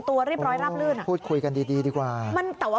ตัวเรียบร้อยรับลื่นพูดคุยกันดีจีนดีกว่าแต่ว่า